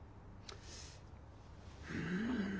うん。